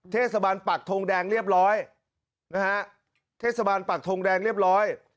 เทศบาลปากทงแดงเรียบร้อย